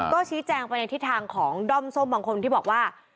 ก็ชี้แจงไปในทิศทางของด้อมส้มบางคนที่บอกว่า